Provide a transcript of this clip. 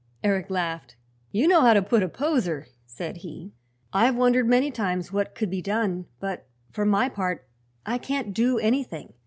Eric laughed. "You know how to put a poser," said he. "I've wondered many times what could be done, but for my part I can't do anything.